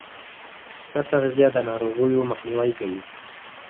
ښه تغذیه د ناروغیو مخنیوی کوي.